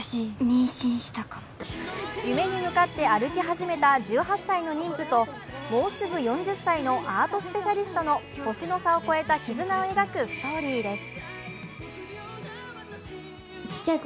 夢に向かって歩き始めた１８歳の妊婦ともうすぐ４０歳のアートスペシャリストの年の差を超えた絆を描くストーリーです。